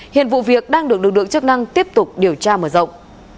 hiện vụ việc đang được lực lượng chức năng tiếp tục điều tra mở rộng